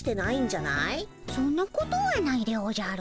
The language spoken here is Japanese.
そんなことはないでおじゃる。